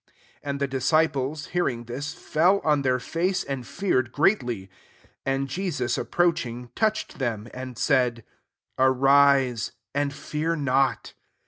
6 And the disciples hearing thisy fell on their face, and feared greatly. 7 And Jesus ap proaching, touched them, and said, "Arise, and fear not."